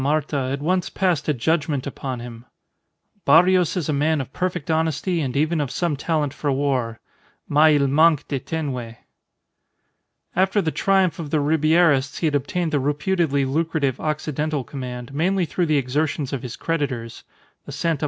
Marta had once passed a judgment upon him: "Barrios is a man of perfect honesty and even of some talent for war, mais il manque de tenue." After the triumph of the Ribierists he had obtained the reputedly lucrative Occidental command, mainly through the exertions of his creditors (the Sta.